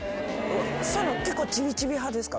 そういうのちびちび派ですか？